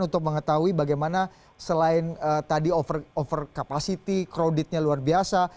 untuk mengetahui bagaimana selain tadi over capacity crowdednya luar biasa